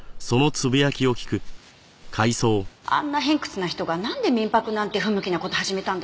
あんな偏屈な人がなんで民泊なんて不向きな事始めたんだろう？